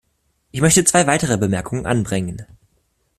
Ich möchte zwei weitere Bemerkungen anbringen.